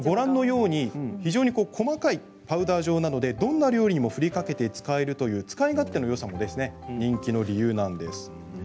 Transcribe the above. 非常に細かいパウダー状なのでどんな料理にもふりかけて使える使い勝手のよさも人気の理由です。